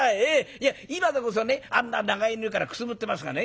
いや今でこそあんな長屋にいるからくすぶってますがね